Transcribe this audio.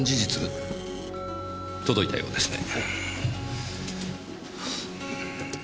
届いたようですね。